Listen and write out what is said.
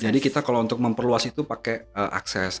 jadi kita kalau untuk memperluas itu pakai akses